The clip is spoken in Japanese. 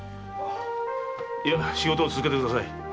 いや仕事を続けてください。